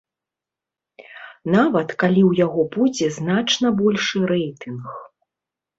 Нават калі ў яго будзе значна большы рэйтынг.